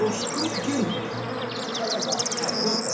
バカリさんどうですか？